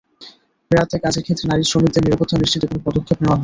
রাতে কাজের ক্ষেত্রে নারী শ্রমিকদের নিরাপত্তা নিশ্চিতে কোনো পদক্ষেপ নেওয়া হয়নি।